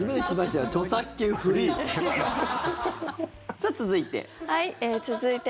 さあ、続いて。